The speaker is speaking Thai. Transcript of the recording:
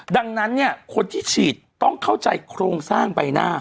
ดังนั้นเนี่ยคนที่ฉีดต้องเข้าใจโครงสร้างใบหน้า